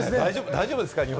大丈夫ですか？